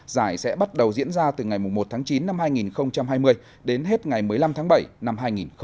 giải sẽ bắt đầu diễn ra từ ngày một tháng chín năm hai nghìn hai mươi đến hết ngày một mươi năm tháng bảy năm hai nghìn hai mươi